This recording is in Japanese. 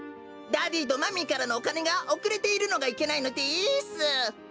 ダディーとマミーからのおかねがおくれているのがいけないのです。